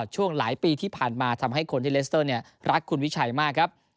ช่วงหลายปีที่ผ่านมาทำให้คนที่เลสเตอร์รักคุณวิชัยมากครับ